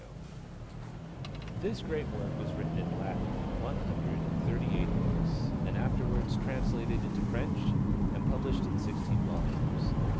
] This great work was written in Latin in one hundred and thirty eight books, and afterwards translated into French and published in sixteen volumes.